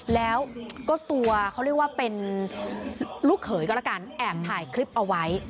แล้วก็ตัวเขาเรียกว่าเป็นลูกเขยก็แล้วกันแอบถ่ายคลิปเอาไว้